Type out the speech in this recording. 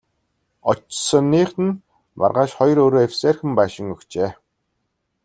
Очсоных нь маргааш хоёр өрөө эвсээрхэн байшин өгчээ.